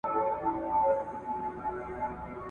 شمع مړه سوه جهاني محفل تمام سو ,